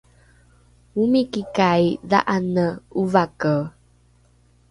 omikikai dha’ane ’ovake?